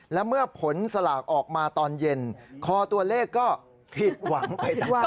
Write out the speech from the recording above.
และเมื่อผลสลากออกมาตอนเย็นคอตัวเลขก็ผิดหวังไปตาม